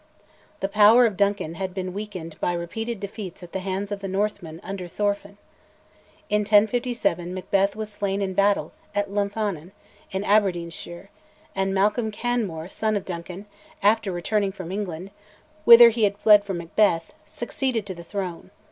The power of Duncan had been weakened by repeated defeats at the hands of the Northmen under Thorfinn. In 1057 Macbeth was slain in battle at Lumphanan, in Aberdeenshire, and Malcolm Canmore, son of Duncan, after returning from England, whither he had fled from Macbeth, succeeded to the throne.